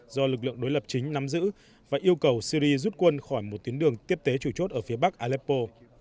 do lực lượng đối lập chính nắm giữ và yêu cầu syri rút quân khỏi một tuyến đường tiếp tế chủ chốt ở phía bắc aleppo